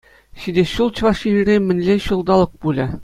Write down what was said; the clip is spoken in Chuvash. Ҫитес ҫул Чӑваш Енре мӗнле ҫулталӑк пулӗ?